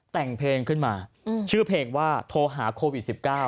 แต่งเพลงขึ้นมาชื่อเพลงว่าโทรหาโควิด๑๙